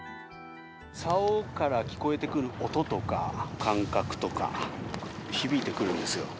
さおから聞こえてくる音とか感覚とか響いてくるんですよ。